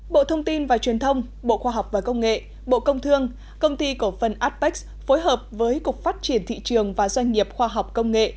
bộ thông tin và truyền thông bộ khoa học và công nghệ bộ công thương công ty cổ phân apec phối hợp với cục phát triển thị trường và doanh nghiệp khoa học công nghệ